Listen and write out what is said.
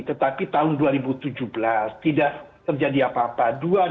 tetapi tahun dua ribu tujuh belas tidak terjadi apa apa